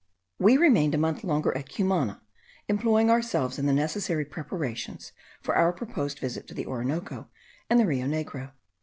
We remained a month longer at Cumana, employing ourselves in the necessary preparations for our proposed visit to the Orinoco and the Rio Negro.